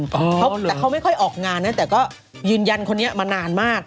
แต่เขาไม่ค่อยออกงานนะแต่ก็ยืนยันคนนี้มานานมาก